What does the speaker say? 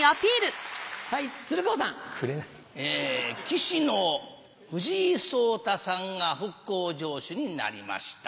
棋士の藤井聡太さんが復興城主になりました。